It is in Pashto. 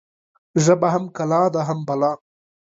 ژبه هم کلا ده، هم بلا